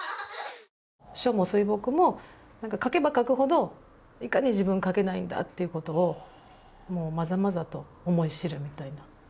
書も水墨もかけばかくほどいかに自分がかけないんだということをまざまざと思い知るみたいな。